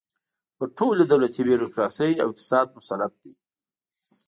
پر ټولې دولتي بیروکراسۍ او اقتصاد مسلط دی.